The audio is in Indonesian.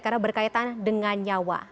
karena berkaitan dengan nyawa